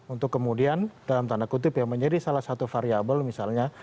untuk kemudian dalam tanda kutip ya menjadi salah satu variable misalnya